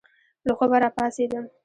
له خوبه را پاڅېدم.